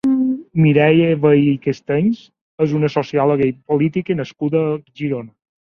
Mireia Vehí i Cantenys és una sociòloga i política nascuda a Girona.